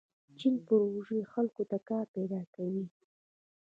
چیني پروژې خلکو ته کار پیدا کوي.